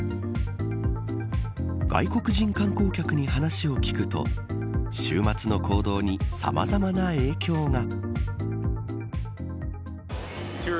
外国人観光客に話を聞くと週末の行動にさまざまな影響が。